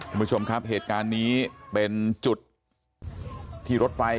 คุณผู้ชมครับเหตุการณ์นี้เป็นจุดที่รถไฟ